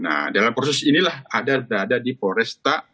nah dalam proses inilah ada berada di polresta